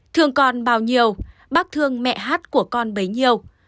thương con bao nhiêu bác thương mẹ hát của con bấy nhiêu